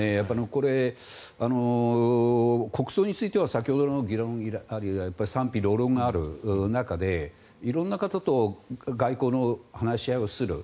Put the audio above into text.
これ、国葬については先ほどの議論にもあるように賛否両論がある中で色んな方と外交の話し合いをする。